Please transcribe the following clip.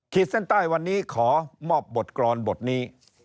เส้นใต้วันนี้ขอมอบบทกรอนบทนี้